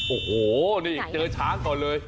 โอ้โหนี่เจอช้างก่อนเลย